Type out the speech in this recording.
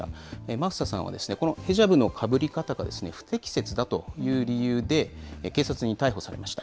マフサさんは、このヘジャブのかぶり方が不適切だという理由で警察に逮捕されました。